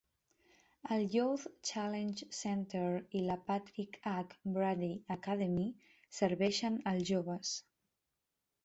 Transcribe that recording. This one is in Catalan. El Youth Challenge Center i la Patrick H. Brady Academy serveixen els joves.